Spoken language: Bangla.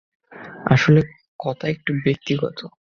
আসলে, কথা একটু ব্যক্তিগত।